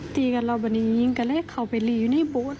ตีกันรอแบบนี้ยิงกันแล้วเขาไปหลีอยู่ในโบสถ์